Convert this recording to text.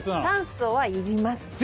酸素はいります。